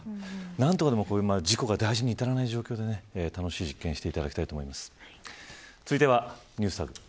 何とか事故が大事に至らない状況で楽しい実験をしてほしいと思います。